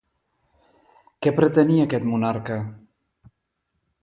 Què pretenia aquest monarca?